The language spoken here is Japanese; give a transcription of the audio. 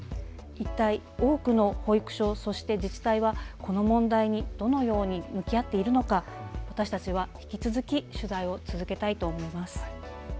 一体、多くの保育所、そして自治体はこの問題にどのように向き合っているのか私たちは引き続き取材を続けたいと思います。